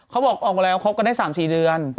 เขาบอกออกมาแล้วคบกันได้๓๔เดือน